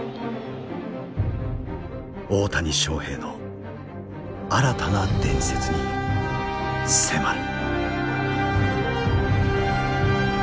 大谷翔平の新たな伝説に迫る。